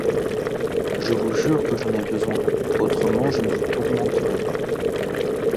Je vous jure que j'en ai besoin, autrement je ne vous tourmenterais pas.